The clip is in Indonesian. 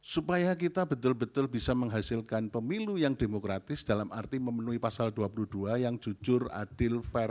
supaya kita betul betul bisa menghasilkan pemilu yang demokratis dalam arti memenuhi pasal dua puluh dua yang jujur adil fair